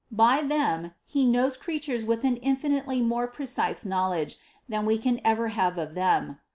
By them He knows creatures with an infinitely more precise knowl edge, than we can ever have of them.